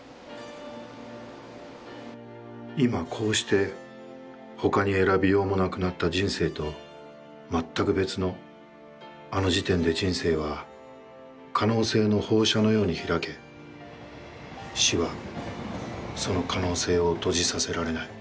いまこうして他に選びようもなくなった人生とまったく別の、あの時点で人生は可能性の放射のように開け、死はその可能性を閉じさせられない。